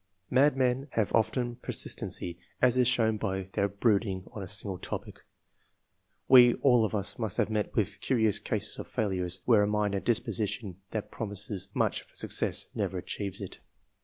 Madmen have often persistency, as is shown by their brooding on a single topic. We all of us must have met with curious cases of failures, where a mind and disposition that pro mise much for success, never achieve it.